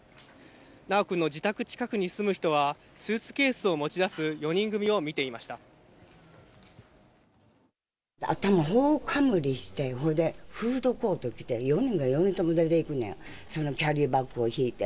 修くんの自宅近くに住む人は、スーツケースを持ち出す４人組を頭ほおかむりして、ほいでフードコート着て、４人が４人とも出ていくねん、そのキャリーバッグを引いて。